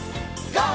ＧＯ！